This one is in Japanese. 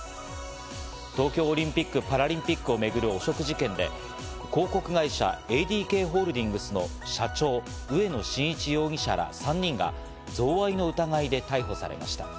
東京オリンピック・パラリンピックを巡る汚職事件で、広告会社、ＡＤＫホールディングスの社長・植野伸一容疑者ら３人が贈賄の疑いで逮捕されました。